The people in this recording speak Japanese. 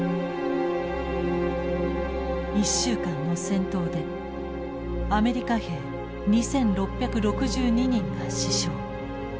１週間の戦闘でアメリカ兵２，６６２人が死傷。